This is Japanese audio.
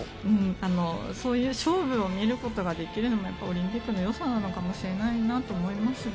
そういう勝負を見ることができるのもオリンピックのよさなのかもしれないなと思いますね。